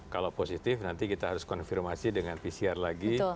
kalau positif nanti kita harus konfirmasi dengan pcr lagi